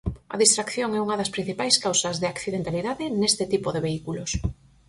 A distracción é unha das principais causas de accidentalidade neste tipo de vehículos.